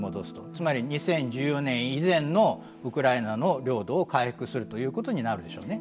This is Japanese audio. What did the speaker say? つまり２０１４年以前のウクライナの領土を回復するということになるでしょうね。